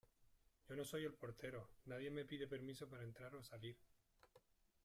yo no soy el portero. nadie me pide permiso para entrar o salir .